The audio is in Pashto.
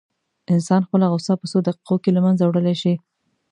انسان خپله غوسه په څو دقيقو کې له منځه وړلی شي.